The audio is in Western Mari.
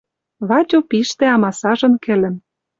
Ватю пиштӓ амасажын кӹлӹм